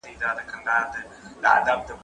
زه به سبا نان خورم،